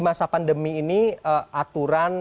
masa pandemi ini aturan